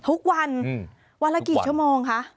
ทุกวันวันละกี่ชั่วโมงคะ